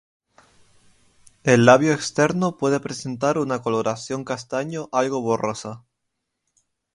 El labio externo puede presentar una coloración castaño algo borrosa.